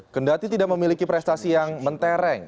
kendati tidak memiliki prestasi yang mentereng